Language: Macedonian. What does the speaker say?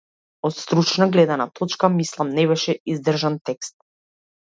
Од стручна гледна точка, мислам, не беше издржан текст.